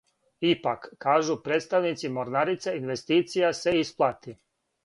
Ипак, кажу представници морнарице, инвестиција се исплати.